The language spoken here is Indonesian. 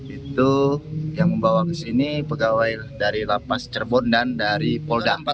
itu yang membawa ke sini pegawai dari lapas cirebon dan dari polda empat